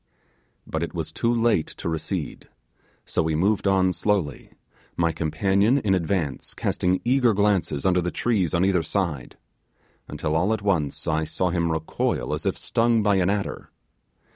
But it was too late to recede, so we moved on slowly, my companion in advance casting eager glances under the trees on each side, until all at once I saw him recoil as if stung by an adder.